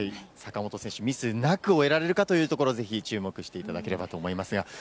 坂本選手、ミスなく終えられるかというところを、ぜひ注目していただければと思いますが。